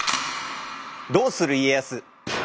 「どうする家康」。